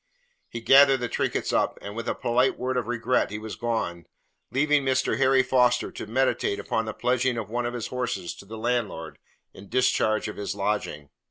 He gathered the trinkets up, and with a polite word of regret he was gone, leaving Mr. Harry Foster to meditate upon the pledging of one of his horses to the landlord in discharge of his lodging.